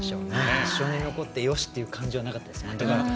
決勝に残ってよしという感じはなかったですね。